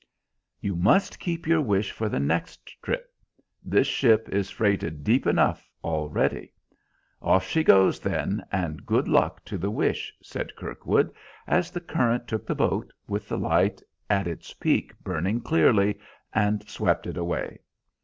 "You must keep your wish for the next trip. This ship is freighted deep enough already. Off she goes then, and good luck to the wish," said Kirkwood, as the current took the boat, with the light at its peak burning clearly, and swept it away.